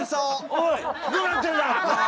おいどうなってんだこれは！